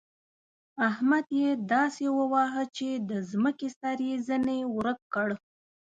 احمد يې داسې وواهه چې د ځمکې سر يې ځنې ورک کړ.